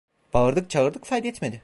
Bağırdık çağırdık, fayda etmedi.